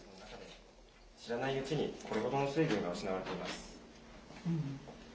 知らないうちにこれほどの水分が失われています。